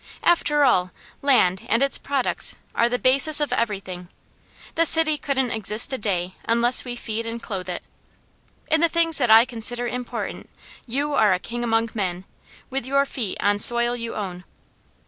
After all, land and its products are the basis of everything; the city couldn't exist a day unless we feed and clothe it. In the things that I consider important, you are a king among men, with your feet on soil you own."